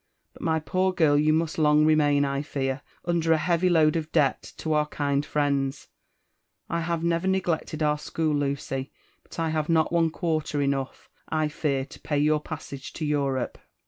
Hut, my poor girl, you must long remain, I fear, under a heavy load of debt to our kind friends : I have never neglected our school, Lucy, but I have not one quarter enough, I fear, to pay your passage to Europe."